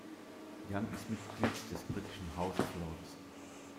Young ist Mitglied des britischen House of Lords.